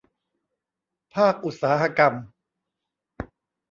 ภาคอุตสาหกรรม